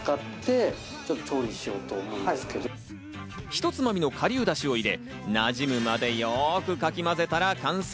ひとつまみの顆粒だしを入れ、なじむまでよくかき混ぜたら完成。